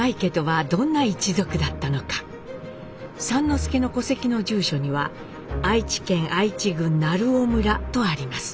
之助の戸籍の住所には愛知県愛知郡鳴尾村とあります。